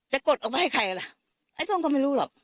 กดออกมาให้ใครล่ะไอ้ส้มก็ไม่รู้หรอก